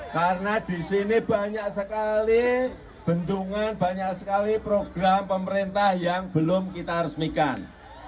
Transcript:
karena di sini banyak sekali bendungan banyak sekali program pemerintah yang belum kita resmikan